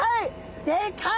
でかい！